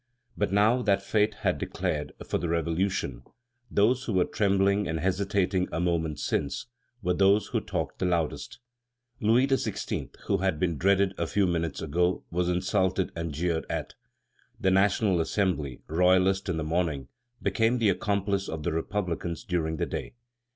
But now that fate had declared for the Revolution, those who were trembling and hesitating a moment since, were those who talked the loudest. Louis XVI., who had been dreaded a few minutes ago, was insulted and jeered at. The National Assembly, royalist in the morning, became the accomplice of the republicans during the day.